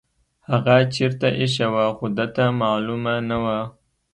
هغه چیرته ایښې وه خو ده ته معلومه نه وه.